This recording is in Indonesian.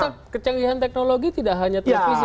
tapi kan kecanggihan teknologi tidak hanya televisi